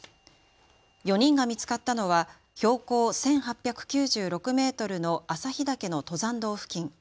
４人が見つかったのは標高１８９６メートルの朝日岳の登山道付近。